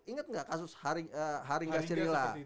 inget gak kasus haringa sirila